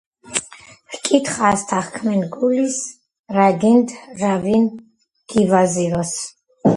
ჰკითხე ასთა, ჰქმენ გულის, რა გინდ რა ვინ გივაზიროს